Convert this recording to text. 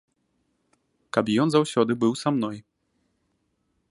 Каб ён заўсёды быў са мной.